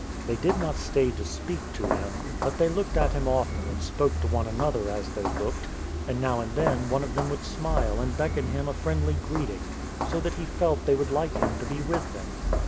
They did not stay to speak to him, but they looked at him often and spoke to one another as they looked; and now and then one of them would smile and beckon him a friendly greeting, so that he felt they would like him to be with them.